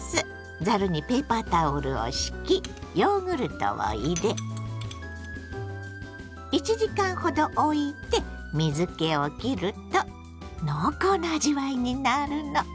ざるにペーパータオルを敷きヨーグルトを入れ１時間ほどおいて水けをきると濃厚な味わいになるの。